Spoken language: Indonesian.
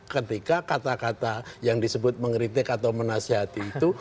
ketika kata kata yang disebut mengkritik atau menasihati itu